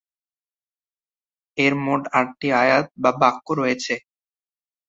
এর মোট আটটি আয়াত বা বাক্য রয়েছে।